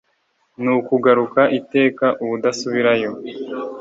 Nukugaruka iteka ubudasubirayo